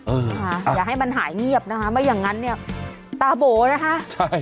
เออนะคะอย่าให้มันหายเงียบนะคะไม่อย่างงั้นเนี่ยตาโบนะคะใช่